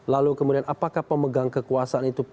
lalu kemudian apakah pemegang kekuasaan itu